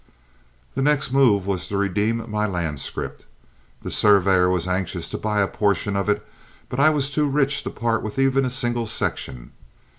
The next move was to redeem my land scrip. The surveyor was anxious to buy a portion of it, but I was too rich to part with even a single section.